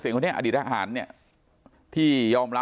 แล้วก็ไปคลิกกันเนี่ยอ่า